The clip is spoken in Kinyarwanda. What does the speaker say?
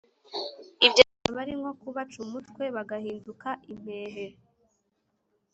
Ibyo byaba ari nko kubaca umutwe bagahinduka impehe.